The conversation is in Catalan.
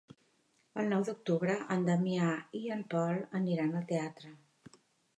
El nou d'octubre en Damià i en Pol aniran al teatre.